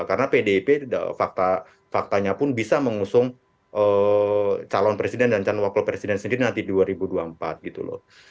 karena pdip faktanya pun bisa mengusung calon presiden dan calon wakil presiden sendiri nanti dua ribu dua puluh empat gitu loh